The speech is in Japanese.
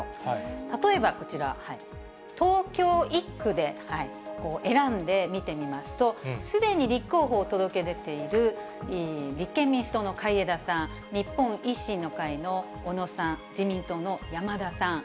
例えばこちら、東京１区で選んで見てみますと、すでに立候補を届け出ている立憲民主党の海江田さん、日本維新の会の小野さん、自民党の山田さん。